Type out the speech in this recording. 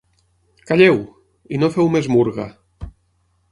Calleu!, i no feu més murga.